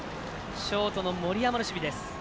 ショートの森山の守備です。